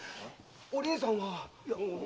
お凛さんは？